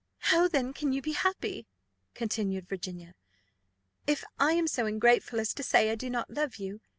"How, then, can you be happy," continued Virginia, "if I am so ungrateful as to say I do not love you?